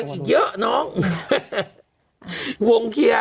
อีกเยอะน้องวงเคลียร์